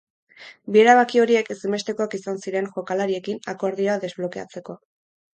Bi erabaki horiek ezinbestekoak izan ziren jokalariekin akordioa desblokeatzeko.